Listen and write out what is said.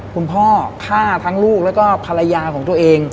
คุณพ่อฆ่าทั้งลูกแล้วก็ภรรยาของตัวเอง